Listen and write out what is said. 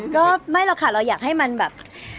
ก็ไม่หรอกค่ะเราอยากให้มันแบบ